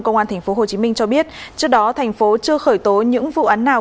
công an tp hồ chí minh cho biết trước đó thành phố chưa khởi tố những vụ án nào